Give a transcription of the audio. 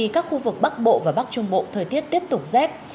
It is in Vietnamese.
các khu vực bắc bộ và bắc trung bộ thời tiết tiếp tục rét